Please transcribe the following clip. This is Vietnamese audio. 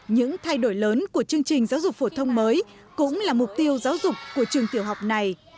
những thay đổi lớn của chương trình giáo dục phổ thông mới cũng là mục tiêu giáo dục của trường tiểu học này